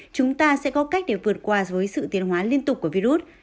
chúng ta sẽ có cách để vượt qua với sự tiền hóa liên tục của virus